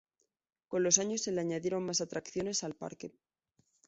Con los años se le añadieron más atracciones al parque.